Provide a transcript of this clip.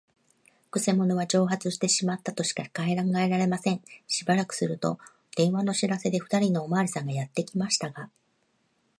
くせ者は蒸発してしまったとしか考えられません。しばらくすると、電話の知らせで、ふたりのおまわりさんがやってきましたが、